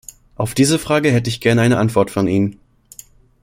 Auf diese Frage hätte ich gern eine Antwort von Ihnen.